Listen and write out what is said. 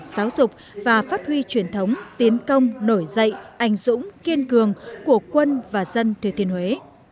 giáo dục và phát huy truyền thống tiến công nổi dậy anh dũng kiên cường của quân và dân thừa thiên huế